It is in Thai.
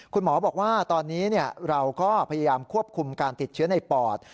คุณหมอบอกว่าตอนนี้เราก็พยายามควบคุมการติดเชื้อในปอด